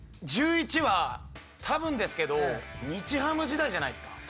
１１は多分ですけど日ハム時代じゃないですか